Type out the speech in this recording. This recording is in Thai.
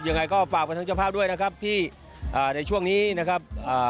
ยังไงก็ฝากไปทั้งเจ้าภาพด้วยนะครับที่อ่าในช่วงนี้นะครับอ่า